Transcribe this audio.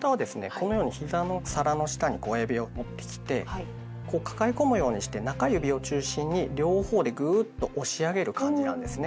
このようにひざの皿の下に親指を持ってきてこう抱え込むようにして中指を中心に両方でグーッと押し上げる感じなんですね。